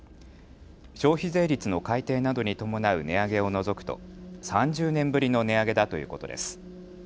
消費税率の改定などに伴う値上げを除くと３０年ぶりの値上げだということです。